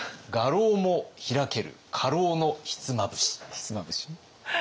ひつまぶし？